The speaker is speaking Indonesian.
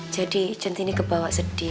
jadi cindy kebawa sedih